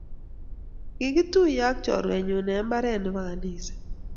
kikituyee ak chorwenyu eng mbaree ne bo kaniset